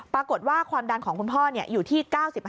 ปรากฏว่าความดันของคุณพ่ออยู่ที่๙๕๖๕